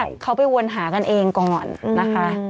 ใช่เขาไปวนหากันเองก่อนนะคะ